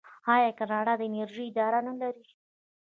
آیا کاناډا د انرژۍ اداره نلري؟